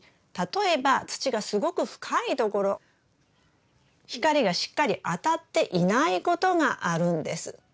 例えば土がすごく深いところ光がしっかり当たっていないことがあるんです。